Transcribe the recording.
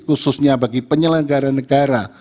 khususnya bagi penyelenggara negara